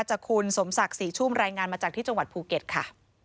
จากคุณสมศักดิ์ศรีชุ่มรายงานมาจากที่จังหวัดภูเก็ตค่ะ